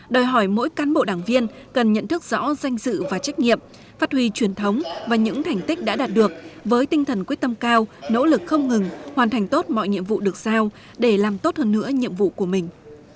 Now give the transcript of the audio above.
đòi hỏi mỗi cán bộ đảng viên cần nhận thức rõ danh dự và trách nhiệm phát huy truyền thống và những thành tích đã đạt được với tinh thần quyết tâm cao nỗ lực không ngừng hoàn thành tốt mọi nhiệm vụ được sao để làm tốt hơn nữa nhiệm vụ của mình